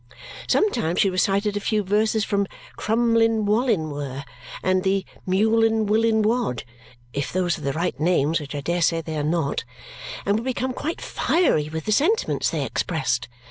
Sometimes she recited a few verses from Crumlinwallinwer and the Mewlinnwillinwodd (if those are the right names, which I dare say they are not), and would become quite fiery with the sentiments they expressed.